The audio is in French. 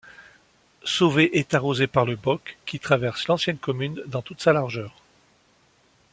Sovet est arrosé par le Bocq qui traverse l'ancienne commune dans toute sa largeur.